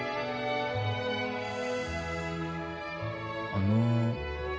あの。